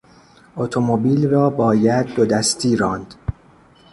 اتومبیل را باید دو دستی راند.